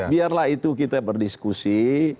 biarlah itu kita berdiskusi